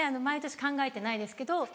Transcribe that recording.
毎年考えてないですけど。